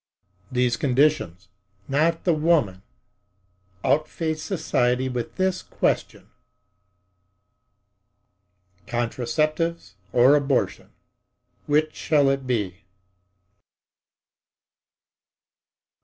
These conditionsnot the woman—outface society with this question:"Contraceptives or Abortion—which shall it be?"